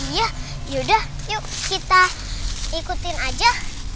iya ya udah yuk kita ikutin aja